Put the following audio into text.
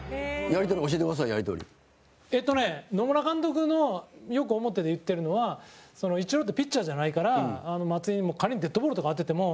古田：えっとね、野村監督のよく思ってて言ってるのはイチローってピッチャーじゃないから松井に、仮にデッドボールとか当てても。